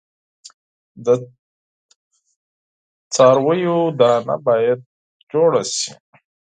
د څارویو دانه باید تولید شي.